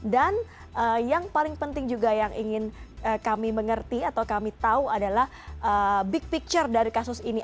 dan yang paling penting juga yang ingin kami mengerti atau kami tahu adalah big picture dari kasus ini